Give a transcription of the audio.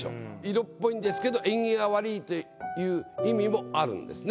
色っぽいんですけど縁起が悪いという意味もあるんですね